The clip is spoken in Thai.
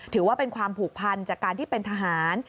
ถือว่าเป็นความผูกพันจากการที่เป็นทหาร